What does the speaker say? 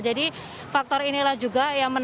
jadi faktor inilah juga yang menang